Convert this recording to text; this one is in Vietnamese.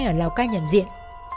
ở lào cai nhận diện